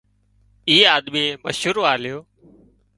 اي آۮميئي مشورو آليو